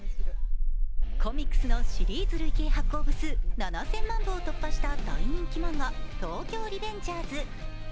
コミックスのシリーズ累計発行部数７０００万部を突破した大人気漫画「東京卍リベンジャーズ」。